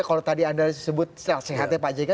kalau tadi anda sebut sehatnya pak jk